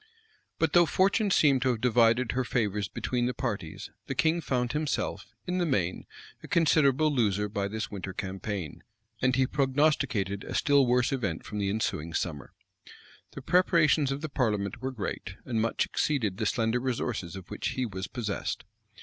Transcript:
But though fortune seemed to have divided her favors between the parties, the king found himself, in the main, a considerable loser by this winter campaign; and he prognosticated a still worse event from the ensuing summer. The preparations of the parliament were great, and much exceeded the slender resources of which he was possessed.